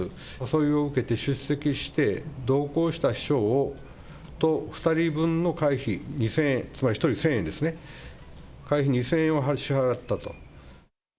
誘いを受けて出席して、同行した秘書と２人分の会費２０００円、つまり１人１０００円ですね、会費２０００円を支払ったと。